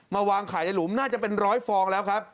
วางขายในหลุมน่าจะเป็นร้อยฟองแล้วครับ